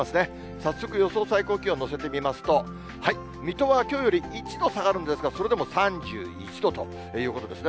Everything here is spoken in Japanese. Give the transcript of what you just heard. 早速、予想最高気温を乗せてみますと、水戸はきょうより１度下がるんですが、それでも３１度ということですね。